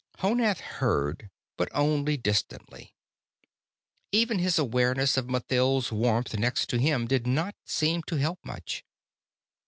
Honath heard, but only distantly. Even his awareness of Mathild's warmth next to him did not seem to help much.